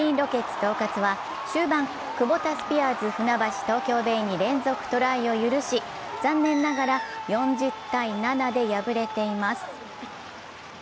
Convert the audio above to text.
東葛は終盤、クボタスピアーズ船橋・東京ベイに連続トライを許し残念ながら４０−７で敗れています。